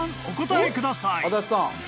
お答えください］